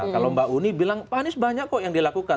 kalau mbak uni bilang pak anies banyak kok yang dilakukan